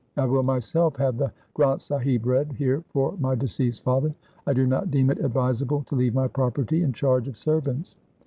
I will myself have the Granth Sahib read here for my deceased father. I do not deem it advisable to leave my property in charge of servants.